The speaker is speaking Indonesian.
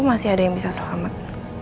masih ada yang bisa selamat